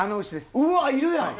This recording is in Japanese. うわっいるやん！